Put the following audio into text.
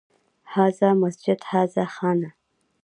هذا مسجد، هذا خانه